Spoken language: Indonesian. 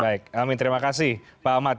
baik amin terima kasih pak ahmad